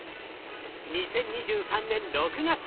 ２０２３年６月。